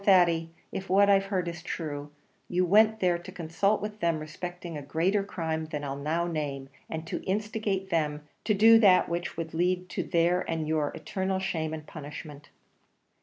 Thady, if what I've heard is true, you went there to consult with them respecting a greater crime than I'll now name, and to instigate them to do that which would lead to their and your eternal shame and punishment."